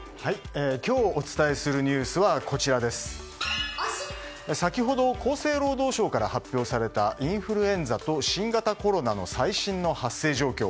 今日、お伝えするニュースは先ほど厚生労働省から発表されたインフルエンザと新型コロナの最新の発生状況。